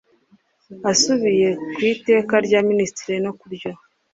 asubiye ku iteka rya minisitiri no ryo